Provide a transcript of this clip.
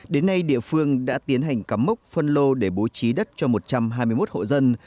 đến nay địa phương đã tiến hành cắm mốc phân lô để bố trí đất cho một trăm hai mươi một hộ dân